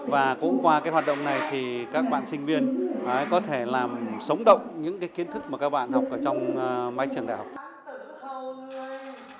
và cũng qua hoạt động này các bạn sinh viên có thể làm sống động những kiến thức mà các bạn học trong máy trường đại học